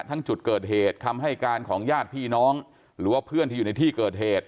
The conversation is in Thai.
ทั้งจุดเกิดเหตุคำให้การของญาติพี่น้องหรือว่าเพื่อนที่อยู่ในที่เกิดเหตุ